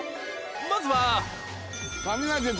まずは